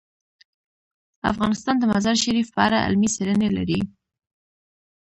افغانستان د مزارشریف په اړه علمي څېړنې لري.